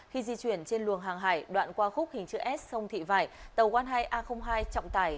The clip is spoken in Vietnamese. khi di chuyển trên luồng hàng hải đoạn qua khúc hình chữ s xông thị vải tàu một hai a hai chọng tải